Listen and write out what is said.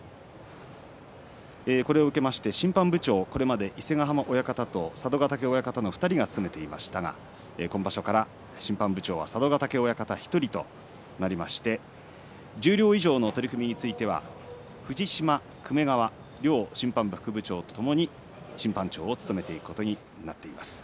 これを受けまして審判部長これまで伊勢ヶ濱親方と佐渡ヶ嶽親方の２人が務めていましたが、今場所から審判部長、佐渡ヶ嶽親方１人となりまして十両以上の取組については藤島、粂川、両審判部副部長とともに審判長を務めていくことになっています。